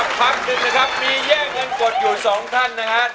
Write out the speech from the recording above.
สักครั้งหนึ่งนะครับมีแย่งกันกดอยู่สองท่านนะครับ